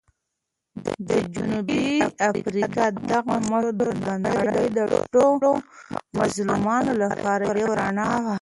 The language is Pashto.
د جنوبي افریقا دغه مشر د نړۍ د ټولو مظلومانو لپاره یو رڼا وه.